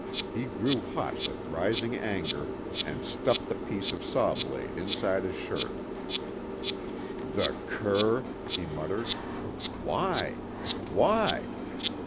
He grew hot with rising anger, and stuffed the piece of saw blade inside his shirt. "The cur!" he muttered. "Why? Why?